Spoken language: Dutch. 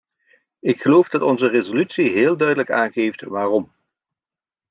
Ik geloof dat onze resolutie heel duidelijk aangeeft waarom.